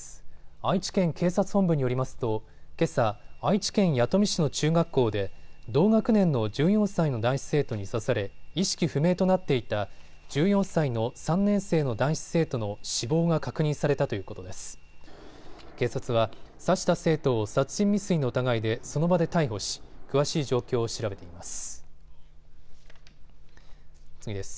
愛知県警察本部によりますとけさ、愛知県弥富市の中学校で同学年の１４歳の男子生徒に刺され意識不明となっていた１４歳の３年生の男子生徒の死亡が確認されたということです。